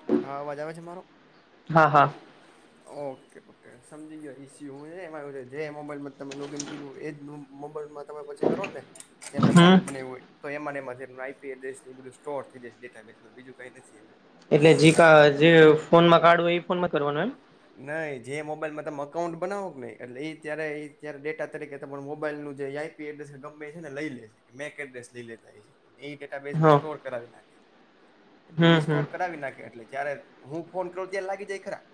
હ હા અવાજ આવે છે મારો હા હા ઓકે ઓકે સમજી ગયો ઇસ્યુ હું ને એ મારું જે મોબાઈલમાં તમે લોૉગ ઇન કર્યુંું એ જ મોબાઈલમાં તમે પછી કરો ને હમ અઉન્ટ બનાવું હો તો એ બ સ્ટોર જેાબ બીજું કઈ નથી એનું એટલે જેી કા જે ફોનમાં કાઢવુંય એ ફોન માં જ કરવાનું એમ નઈ જે મોબાઈલમાં તમે અકાઉન્ટ બનાવો કે નને એટલે એ ત્યારે એ જ્યારે ડેટા તરીકે પણ મોબાઈલ ન જે આઈપી એડ્રેસ ગમે છે ને લઈ લે કે મે એક એડ્રેસ લઈ લેતા એમ હા સર કરાવી નાખે છે એટલે હમ ઈ હમ સ્ટોર કરાવી નાખે એટલે જ્યારે હું ફોન કરતી લાગી જાય ખરા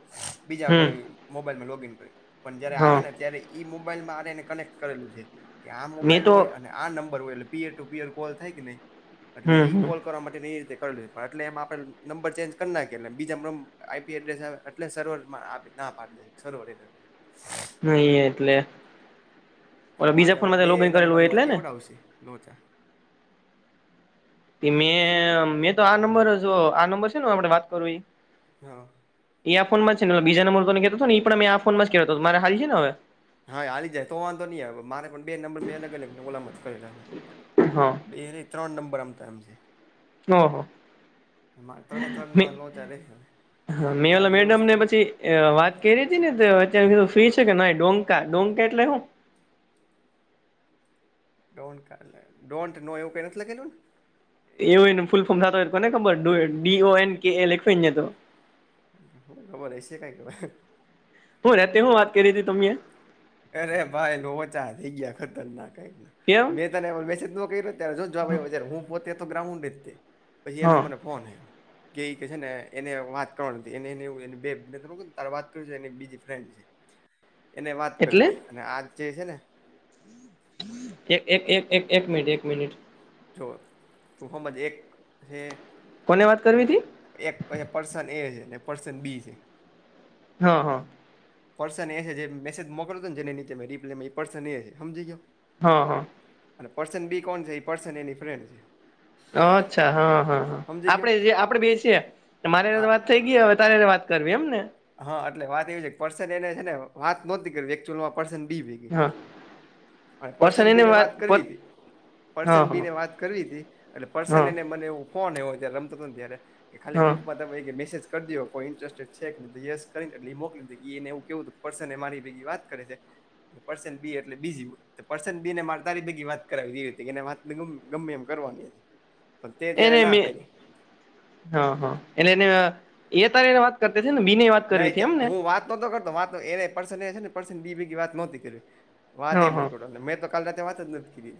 બીજા હમ કોઈ મોબાઈલમાં લોગ ન કરે પણ જયારે હા આવે ને ત્યારે ઈ મોબાઈલમાંરે એને કનેક્ટ કરેલું છે કે આ મેં મોબાઈલ તો હોય અને આ નંબર હોય એટલે પીયર ટુ પીયર કોલ થાય કે નઈ હમ એટઈ હમ કોલ કરવા માટે રીતે કર એટલે એમ આપણે નંબર ચેન્જ કરી નાખ બીજા આઈી એટલે સરોવરમાં ના પાડી દે સરોવર એે નહી એટલે એટ બીજા મારે હવે ફોનમાં બે લોગ ઇન કરેલું હોય નંબર માં એટલે ને કેવડાવશે લોચા મે શું કહ્યું મેં તો આ નંબર જો આ નંબર છે આપણે વાત કરું હા એ આ ફોનમાં છે ને બીજા ન મૂતોને કેતો એ પણ મેમે આ ફોનમાં કેહતો હતો મારે હ છે હવે હા હાલી જાય તો વાંધો નહીં મારે પણ બે નંબર મેં અલગ અલગ અલામત કરેલા છે હા બેને ત્રણ નંબર આમતા એમ છે હ હ એમાં ત્રણે ત્રણ માં લોચા રે હવે ફોન મે ની હારે મેડમ ને વ્યવસ્થા પછી વાત કરી હતી ને તો અતાર કીધું ફ્રી છે કે ના ડોંકા ડોંકા એટલે હું ડો ડોન્ટ નો એવું કંઈ નથી લગેલું ને એવું એ ફૂલ ફોર્મ થતો હોય તો કોને ખબર ડી એન કે એ લખને તો એ હઘબર એ છે કાયગલે હું રતે હું વાત કરી હતી તમને અરે ભાઈ ઓચા થઈ ગયા ખતરનાક કઈક કેમ મેં તને મેસેજ ન ક અ જો જો ભાઈ હું પોતે તો ગ્રાઉન્ડ જ પછી એ હા નંબરને ફોન આવ્યો કેઈ કે છે ને એને વાત કરવાની એને બે ત વાત કર બીજી ફ્રેન્ડ છે એને વાત કરવી એટલે હતી અને આજ જે છે ને એક એક મિનિટ એક મિનિટ જો તમ જ એક છે કોને વાત કરવી હતીથી એક પાસે પર્સન એ છે ને પર્સન બી છે અ હા પર્સન એ છે જે મેસેજ મોકલતો ને જેને નીચે રિપ્લાય એ પર્સન એ છે સમજી ગયો હા હા અને પર્સન બી કોણ છે એ પર્સન એની ફ્રેન્ડ છે અચ્છા હા હા હા સમજી ગયો આપડે જે આપડે બેસીએ મારે વાત હા થઈ હ તારે વાત કરવી એમને હા એટલે વાત એવી છે પર્સન એને છે ને વાત નહોતી કરચઅલમાં પર્સન બી ભેગી હા પર્સન બી ને વાત કરવી હતી હા પર્સન બી હા ને વાત કરવી હતી એટલે પર્સન હા એને મને એવું ફોન એો્યારે રમતો હતો ને ત્યારે કે ખાલી હા ગ્રુપમાં તમે મેસેજ કરી દો કોઈ ઇન્ટરેસ્ટેડ છે કે યસ કરીને એટ એ મોકલી એને એું કેવું હતું પર્સન એ મારી ભેગી વાત કરે છે પર્સન બી એટલે બીજી હોય પર્સન બી ને મારે તારી ભેગી વાત કરાવી દેવી હતી કે એને વાત ગમે એમ કરવાની હતી [inaudible] પણ તે ત્યારે એને ના મે પાડી હા હા એટલે એને એ તારે એને વાત કરતા છે નેબી વાત ના કરવી હતી એમ ને હું વાત નહોતો કરતો વાત એ પર્સન એ છે ને પર્સન બી ભેગી વાત નહોતી કર વાત હા હા એમની [inaudible] ટોટલ ન મેં તો કાલે રાતે વાત જ નથી કરી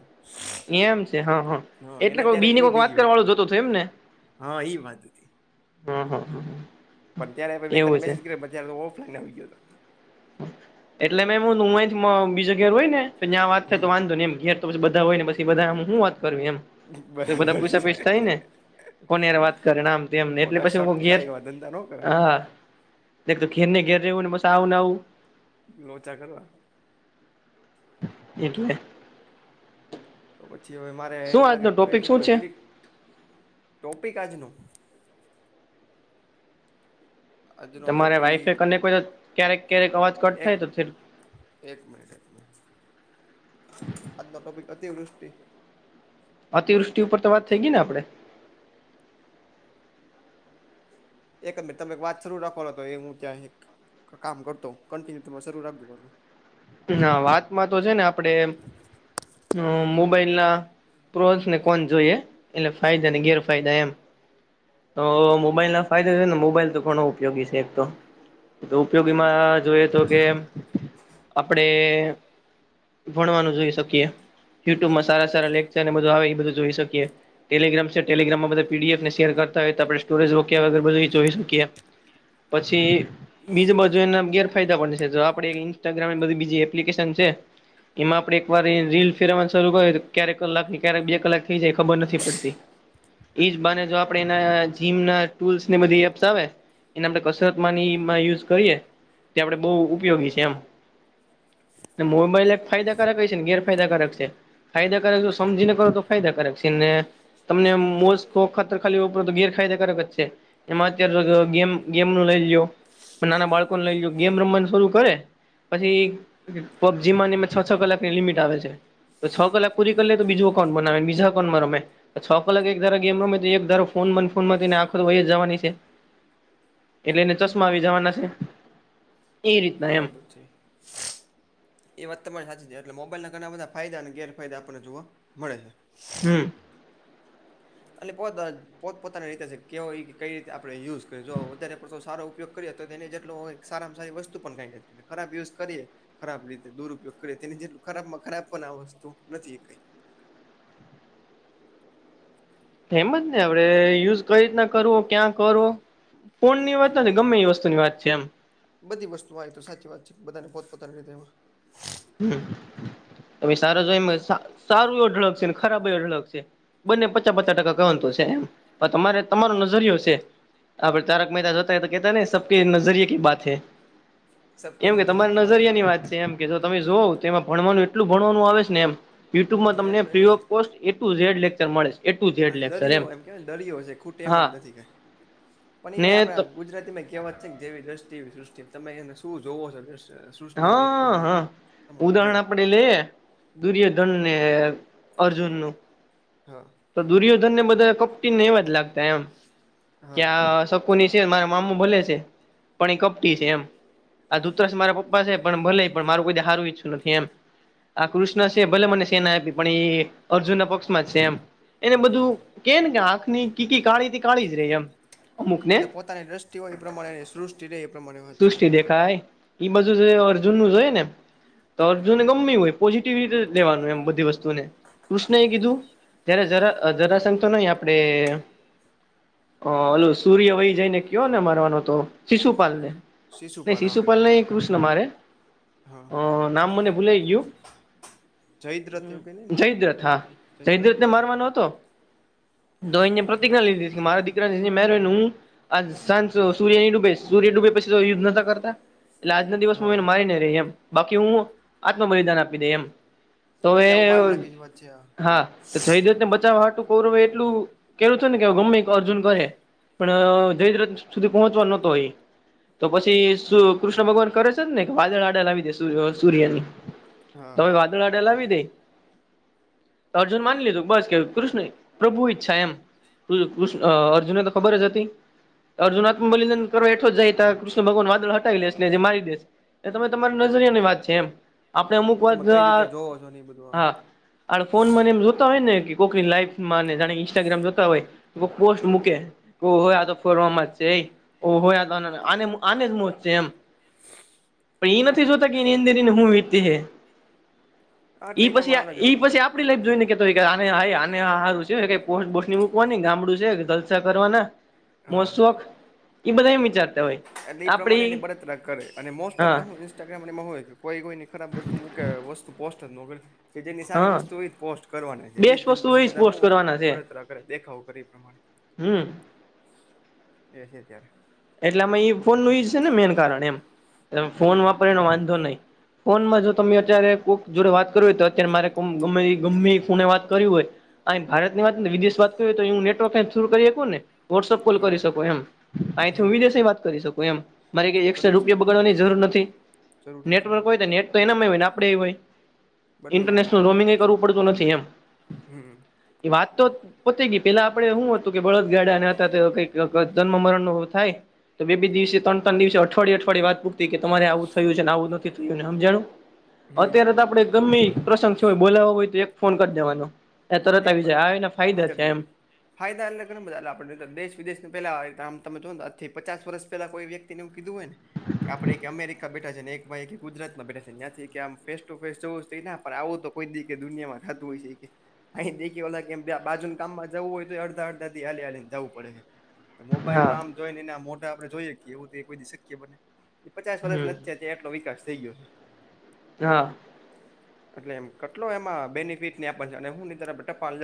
એમ છે હા હા એટલે એને કો બી ત્યારે ની એની કોઈ વાત ભેગી કરવા વાળું હતી જોતો થ એમ ને હા એ વાત હતી અહ પણ ત્યારે મે તને મેસેજ કર્યો પછી મે ઓફલાઈન આવી ગયો હતો એટલે મે હુ અહી થી બીજે જગ્યા એ હોય ને તો જ્યાં વાત થાય હમ તો વાંધો ને એમ ઘેર તો બધા હોય ને હુ હુ વાત કરવી એમ તો બધા બરાબર છે પૂછયા પેસ થાય ને કોને યાર વાત કરે આમ તેમને એટલે ખોટા પછી હ શક ઘેર થાય એવા ન ધંધા કરાય હા એક તો ઘેરને ઘેર રહેવુ ને પછી આવું ને આવું લોચા કરતા એટલે તો પછી હવે મારે શું એવું આજનો લાગે ટોપિક ફરીથી શું કોઈ છે ડિરેક્ટ ટોપિક આજનો આજનો તમારા ટોપિક વાઈફે અને કોઈ તો ક્યારેક ક્યારેક અવાજ કટ એક થાય તો એક મિનિટ એક મિનિટ આજનો ટોપિક અતિવૃષ્ટિ અતિવૃષ્ટિ ઉપર તો વાત થઈ ગઈ ને આપડે હ એક મિટ તમે વાત શરૂ રાખવાલો હતો એ હું ત્યાં એક કામ કરતો કન્ટિન્યુરે ચાલુ રાખજો ના વાતમાં તો છે ને આપડે મોબાઈલ ના ફાયદા અને ગેરફાયદા એમ [inaudible] તો મોબાઈલ ના ફાયદા છે ને મોબાઈલ તો ઘણ ઉપયોગી છે એક તો ઉપયોગીમાં જોઈએ તો કે આપડે ભણવાનું જોઈ શકીએ યુટ્યુબમાં સારા સારા લેકચર અને બધુ આવે એ બધું જોઈ શકીએ ટેલીગ્રામ છે ટેલીગ્રામમાં બધ પીડીએફને શેર કર આપ સ્ટોરેજ રોકગ બધ જોઈ શકીએ પછી બીજું બાજુ એના ગેરફાયદા પણ છે જો આપડે ન્સ્ટાગ્રામ બધી બી એપ્લિકેશન છે એમાં આપડણે એક વાર રીલ ફેરવાનું શરૂ કર્યું તો ક્યારેક કલાક ની ક્યારેક બે કલાક થઈ જાય ખબર નથી પડતી ઈ બને જો આપ આપણે એના જીમના ટૂલ્સ ને બધી એપ્સ આવે એને આપણે કસરત ની યુઝ કરીએ તે આપડે બહુ ઉપયોગી છે એમ મોબાઈલ એક ફાયદાકારક હ છે ને ગેરફાયદાકારક છે ફાયદાકારક જો સમજીને કરો તો ફાયદાકારક છે ને તમને મોજ શોખ વખત ખાલી વપરો તો ગેર ફાયદાકારક જ છે એમાં અત્યારે ગેમ ગેમ નું લઈ લ્યો નાના બાળકોને લઈ લ્યો ગેમ રમવાનું શરૂ કરે પછી પબજી ની છ છ કલાકની લિમિટ આવે છે તો છ કલાક પૂરી કરી લે તો બીજું અકાઉ બનાવેને બીજા અકાઉન્ટમાંમે છ કલાક એક ધારા ગમ રમે એક ધારો ફોન મન ફોનમાંને આખો તો વહી જવાની છે એટલે એને ચશ્મા આવી જવાના છે એ રીતના એમ બરાબર છે [inaudible] એ વાત તમારી સાચી છે એટલે મોબાઈલ ના ઘણા બધા ફાયદા અને ગેરફાયદા આપણને જોવા મળે છે હ અને પોત પોત પોતાની રીતે કેવય કઈ રીતે આપડણે યુઝ કર જો વધારે પડતો સારો ઉપયોગ એ તો તેને જેટલો સારામાં સારી વસ્તુ પણ ક ખરાબ યુઝ કરીએ ખરાબ રીતે દુરુપયોગ કરી તેને જેટલું ખરાબ માં ખરાબ પણ આ વસ્તુ નથી કઈ હમ જ ને આપડે યુઝ કઈ રીતના કરવો ક્યાં કરવો ફૂન ની વાત નથી ગમે એ વસ્તુની વાત છે એમ. બધી વસ્તુઓ આવીય તો સાચી વાત છે બધાને પોતપોતાની રીતે એમાં હમ તમે સારો જો એમ સારું એ અઢળક છે ને ખરાબ અઢળક છે બંને પચાસ પચાસ ટકા કતો છે એમ પણ તમારે તમારો નજરયો છે હા તારક મેહેતાજ હોતા તો કેતા ને સબ કે નજરિયા કેી બાતૈ સબકે એમ કે નજરિયે તમારે કી બાત હે નજરિયા ની વાત છે મ કે તમે જોવ તો એમાં ભણવાનું એટલું ભણવાનું આવે છે ને એમ યુટ્યુબમાં હા તમને એટલે ફ્રી એની of cost A to Z lecture મળે છે એ ટુ ઝેડ લેક્ચર દરિયો એમ કેવાયને દરિયો છે ખૂટ એમ જ હા નથી કઈ પણ એ ને ભાઈ આપડા ગુજરાતીમાં કહેવત છે ને જેવી દ્રષ્ટિ એવી સૃષ્ટિ તમે એને શું જોવો છો સૃષ્ટિમાં તમા પ્રમાણે રહેે આપ લે દુર્યોધન ને અર્જુન નું હા તો દુર્યોધન ને બધા કપટીને એવા જ લાગતા એમ કે હા આ ની છે મારા મામુ ભલે છે પણ એ કપટી છે એમ આ ધૂતરસ મારા પપ્પા છે પણ ભલે પણ મારું કોઈ સારું ઈચ્છું નથી એમ આ કૃષ્ણ છે ભલે મને સેના આપી પણ એ અર્જુન ના પક્ષમાં છે એમ એને હા બધું કે ને કે આંખની કીકી કાળી કાળી જ રહી એમ અમુક એ ને તો પોતાની દ્રષ્ટિ હોય એ પ્રમાણેની સૃષ્ટિ રહેે એ પ્રમાણે વાત છે ાય એ બજું અર્જુન નું જો હોય ને તો અર્જુનને ગમ હોય પોઝિટિવ ર લેવાનું એમ બધી વસ્તુને કૃષ્ણ એ કીધું જય્યારે જરા જરાશઘ તો નહ આપડણે હ હલ સૂર્ય વહી જઈ ને કયો ને મારવાનો તો શિશુપાલ ને નઈ શિશુપાલ ન કૃષ્ણ મારે હા અ નામ મને ભૂલાય ગયું જયદ્રથ એવું ક ન ને હા જયદ્રથ જયદ્રથ જયદ્રથને હા મારવાનો પ્રતિજ્ઞા લીધી મારા સા સૂર્ય ની ડૂબે સૂર્ય ડૂબે પછી તો યુધ્ધ નોતા કરતા. એટલે આજના દિવસ હ હા એને મારી નને રહી એમ બાકી હું આત્મ બલિદાન આપી દઈ એમ. તોમે ત્યાં હું મારી નાખીશ વચ્ચે હા જયદેત ને બચાવવાટું કૌરવ એટલું કેવું છે ને કે ગમે અર્જુન કરે પણ જયદ્રત સુધી પહોંચવા નહતો હોય તો પછી કૃષ્ણ ભગવાન કરે છે ને કે વાદળ આડા લાવી દે સર સૂર્યની હા તમે વાદળ આટ લાવી દે માન લીધું બસ કે કૃષ્ણ પ્રભુ ઈચ્છા એમ. કૃષ્ અર્જુનને તો ખબર જ હતી અર્જુન આત્મ્બલિદાન કરવા એઠો જાય ત કૃષ્ણ ભગવાન વાદળ હટાવી લેશેને જે મારી દેસ એ તમે તમારા નજરિયાની વાત છે એમ આપણે અમુક વાત તમે કઈ રીતે જોવો છો ને એ બધું હા આ ફોન એમ જોતા હોય ને કોકની લાઈવમાં જાણે ઇન્સ્ટાગ્રામ જોતા હોય કોઈક પોસ્ટ મૂકે ઓહો એ ફરવા માર છે ઓહો આને મર છે એમ [inaudible] પણ એ નથી શતા કે એંદેને હું વીતી હે હા એટલે ઈ એ પછી તમારે ઈ પછી જોવું આપડી લાઈફ જોઈને કેતો આને આારું છે પો બોની મૂકવાની ગામડું છે જલસા કરવાના. હા મોસખ એ બધ મિત એટલે એ પ્રમાણે એની બળતરા કરે અને મોસ્ટ ઓફ હા ધ હું માં હોય કોઈ કોઈની ખરાબ વસ્તુ મૂકે વસ્તુ પોસ્ટ જ નો કરે કે જેની સારી હા વસ્તુ હો પોસ્ટ કરવાની છે બેસ્ટ વસ્તુ પછી એ જ બધા પોસ્ટ હું કરવાના છે બળતરા કરે દેખાવ કરે એ પ્રમાણે હમ એ છેત્યારે એટલે આમાં એ ફોન ન યજ છે ને મેન કારણ એમ ફોન હમ વાપરી વાંધો નહીિ ફોનમાં જો તમે અત્યારે કોક જોડે વાત કરવી હોય તો અત્યારે મારે ગ ગમે ફોને વાત કર હોય અ ભારતની વાત ને વિદેશ વાત તો એું નેટવર્ક શર કરીકું ને વોટ્સઅપ હ કોલ કરી શકો એમ હમ ત કરી શ એ મારે ક એક કરી જ રૂપિયા શકે ને બગડવાની જરૂર નથી જરૂર નથી આ નેટવર્ક હોય નેટ તો એનામાંય ને આપડે એ હોય બંનેમાં હોય ઇન્ટરનેશનલ તો રોમિંગ પોઈન્ટ જ એ છે કરવું પડતું નથી એમ હમ એ વાત તો પોતે ગઈ પેલા આપડે શું હતું કે બળદ ગાડાા હતા કઈક જન્મ મરણ નો થાય તો બેી દિવસે ત્રણ તણ દિવસે અઠવાડિ અવાિ વાત પૂતી કે તમારે આવું થયું છેને આવું નથી જાણું હમ અત્યારે તો આપણે ગમે પ્રસ ય બોલાવો હોય તો એક ફોન કરી દેવાનો એ તરત એક આવી જાય વાત આવેને ફાયદા થ હાજરથી એમ ફાયદા એટલે ઘણા બધા એ આપ દેશ વિદેશ પેલા તમે જોથી પચાસ વર્ષ પેલા કોઈ વ્યક્તિ કીધું હોય ને કે આપે અમેરિકા બેઠા છે એક ગુજરાતમાં બેઠા છે જ્યાંથી કે આમ ફેસ ટુ ફેસ જવું પણ આવું તો કોઈ દી કે દુનિયામાં ખતું હોય છે કે અહી દેખી ઓલા કેમ બાજુ કામમાં જવું હોય તો એ અડધા અધાથી હાલી હલીને જવું પડે છે મોબાઈલ હા માં આમ જોઈ ને એના મોટા આપણે જોઈએ કે એવું તો એક બધી શક્ય બને એ પચાસ વર્ષ હમ નથી થ આટલો વિકાસ થઈ ગયો હા એટલે એમ કેટલો એમાં બેનિફિટ આપ અને હું ટપા લગ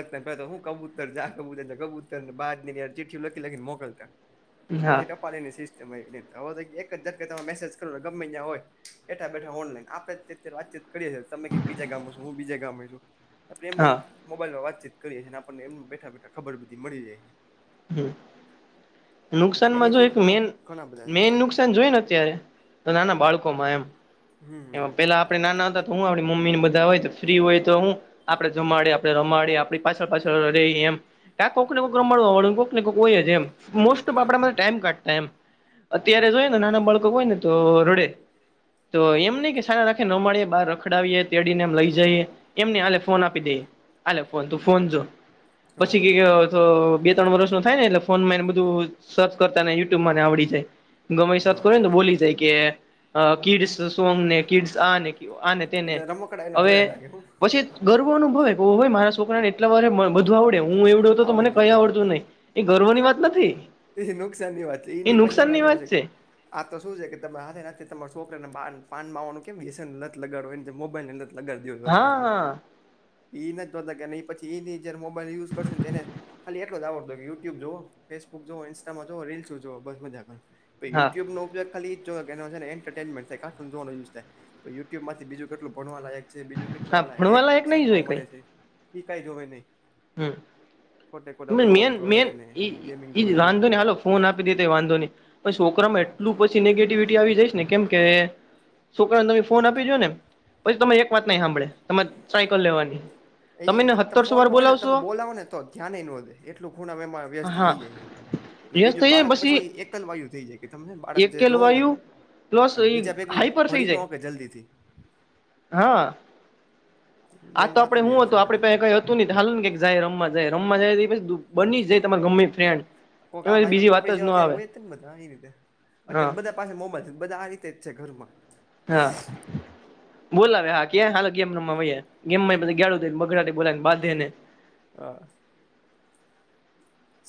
કબૂતર જા કબત કબૂતરને ચ મોકલતા [inaudible] પછી ટ ની સિસ્ટમવે એક જટ તમે મેસેજ કરો ગમે ત્યાં હોય બેઠા બેઠા ઓનલાઈન આપડે વાતચત કરીએી ત ક બીજા ગામમાં છો હું બીજ ગામ છું આપણે એમના હા મોબાઈલમાં વાતચીત કરીએ છીએને આપણને એમ બેઠા બેઠા ખબર બધી મળી જાય છે હ અને નુકસાનમાં જો બેનિફિટ એક તો મેન ઘણા બધા છે મેન નુકસાન જોઈ ને અત્યારે તો નાના બાળકો માં એમ એ હમ પેલા આપડે નાના હતા તો હું આપણી મમ્મી ને બધા હોય તો ફ્રી હોય તો હું આપડણે જમાડીે આપડણે રમાડીે આપણી પાછળ પાછળ રહી એમ કા કોઈકને કોઈક મળવાળ ને કોઈક કોઈ કોઈ એમ હોય મોસ્ટ ઓફ આપડા ત્યાં માટે ટાઈમ કાઢતા એમ અત્યારે હા જોય ને નાના બાળકો હોય ને તો રોડે તો એમ નહી કે સારા રાખે ન માડી બાર રખડાવીએ તેડીને એમ લઈ જઈએ એમને આાલે ફોન આપી દે આાલે ફોન તું ફોન જો જો પછી કે બે ત્રણ વર્ષ નું થાય ને એટલે ફોન માં એને બધું સર્ચ કરતા ને યુટ્યુબ ને આવડી જાય ગમેઈ શત હા કરો ને તો બોલી જાય કે કીડ્સ સોંગ ને કીડ્સ આ ને એ આને બધા રમકડા એને હવે જોયા લાગે હું પછી હા ગર્વ અનુભવે હોય મારા છોકરા ને એટલા વારે બધું આવડે હું એવડ્યો હતો તો મને આવડી કઈ જાય છે. આવડતું નહીિ એ ગર્વ ની વાત નથી એ નુકસાન ની વાત છે એ એની પછી બોલા નુકસાનની જેવું છે વાત આ તો શું છે કે ત હથે તમારા છોકરાને પાન માવાનું કેમશેને લત લગાડો મોબાઈલ ને દી હોય અત્યાર હા હા. એ પછી એ જયારે મોબાઈલ યુઝ કરશે ને તેને ખા એલો આવડ હતો કે ુટ્યુબ જોુ ફેસુક જો ઇન્સ્ટામાં જોો રીલ્સ જો બસ મજા હા યુટ્યુબ ન ઉપયોગ ખાલી મે યુ થયુટ્યુબમાંથી બીજું કેટલ ભણવા લાગે બીજું કેટલા હા વાળા ભણવા એક લાયક નહી શીખવા જોઈ કઈ મળે છે એ કઈ જોવે નહી હમ. ખોટે ખોટા મેન બ્લોગ જો મેન હને ગેમિંગ ઈ જોવે એવું વાંધો ને બધું હાલો ફોન આપી દીધ વાંધો ને પણ છોકરામાં હા એટલું પછી નેગેટિવિટી આવી જઈશ ને કેમ કે છોક ને તમે ફોન આપી દો ને પછી તમે એક વાત નાઈ સાંભળે તમારે સાયકલ લેવાની તમેને એ તમે હત્તરસો વાર ફોનમાં હોય ને બોલાવશો તમે બોલાવો ને તો ધ્યાન નો દે એટલું ખૂણ એમાં વ્યસ્ત હા થઇ જાય છે અને યસ બીજું થઈ જાય બાળક પછી એક જ વાયુ થઈ જાય કે તમે બાળક જે એકેલ જોઓ ને તો વાયુ પ્લસ અને એ બીજા ભેગું હાઈપર થઈ ભળ ન જાય કે જલ્દી થી હા આ મેન તો વાત આપડે જ હું એ હત હતો છે આપડે પ્યાં કાય હાલ ને જાય રમ જાય રમવા જાય પછી બની જાય ગમે ફ્રેન્ડ કોક આ એમાં ભાઈ બીજી વાત માપડી જ જવા ન ત્યારે આવે હોય બધા એ રીતે હા અત્યારે બધા પાસે મોમજ બધા આ રીતે જ છે ઘરમાં હા બોલ આવે હા ક્યા હાલ કેમ રમમાૈયા હા ગેમમાં બધ ગાું બગડાડી બોલા ને બાંધે ને હા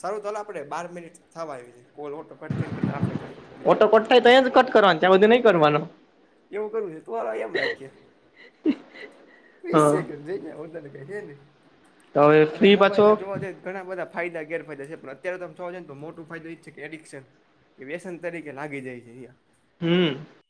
સારું ચાલ આપડે બાર મિનિટ થવા આવી છે કોલ ઓટ કટ થઈ ને કરતા આપે કટ કરી ઓટો દઈએ કટ થાય તો એ જ કટ કરવાનો ત્યાં બધું નહીં કરવાનો એવું કરું છે તમ રાખીએ વીસ હા સેકન્ડ જઈ હું તને કહી છે ને તો હવે અ ફ્રી પાછો મોબાઈલ ના જોવા જઈ ઘણા બધા ફાયદા ગેરફાયદા છે પણ અત્યારે તમે છો ને તો મોટો ફાયદો એ જ છે કે એડિક્શન કે વ્યસન તરીકે લાગી જાય છે અહિયાં હમ